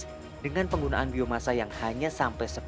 dan dengan penggunaan biomasa yang hanya sampai lima puluh ton per hari